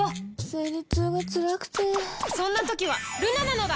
生理痛がつらくてそんな時はルナなのだ！